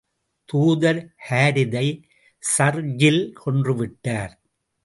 தூதர் ஹாரிதை, ஷர்ஜீல் கொன்று விட்டார்.